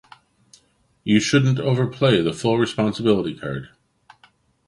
You shouldn’t overplay the full responsibility card.